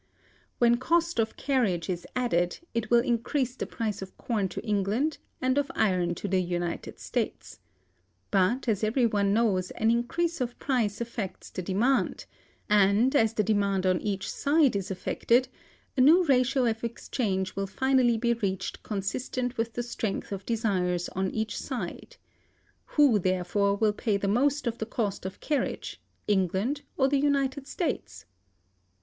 When cost of carriage is added, it will increase the price of corn to England and of iron to the United States. But, as every one knows, an increase of price affects the demand; and, as the demand on each side is affected, a new ratio of exchange will finally be reached consistent with the strength of desires on each side. Who, therefore, will pay the most of the cost of carriage England or the United States?